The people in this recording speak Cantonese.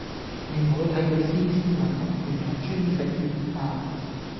你唔好睇佢斯斯文文，原來專食軟飯